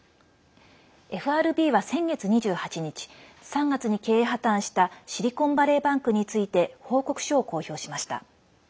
ＦＲＢは先月２８日３月に経営破綻したシリコンバレーバンクについて報告書を公表しました。